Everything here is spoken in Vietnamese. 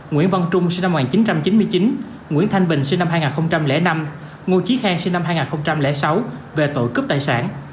nguyễn văn trung sinh năm một nghìn chín trăm chín mươi chín nguyễn thanh bình sinh năm hai nghìn năm ngô trí khang sinh năm hai nghìn sáu về tội cướp tài sản